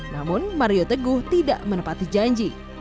namun mario teguh tidak menepati janji